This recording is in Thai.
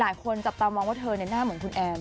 หลายคนจับตาวมองว่าแกในน่าเหมือนคุณแอม